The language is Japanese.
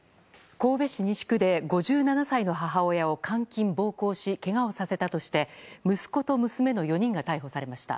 神戸市西区で５７歳の母親を監禁・暴行しけがをさせたとして息子と娘の４人が逮捕されました。